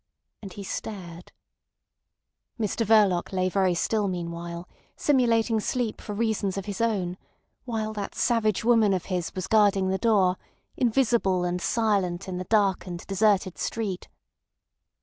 And he stared. Mr Verloc lay very still meanwhile, simulating sleep for reasons of his own, while that savage woman of his was guarding the door—invisible and silent in the dark and deserted street.